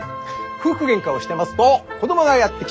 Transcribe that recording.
夫婦げんかをしてますと子供がやって来て。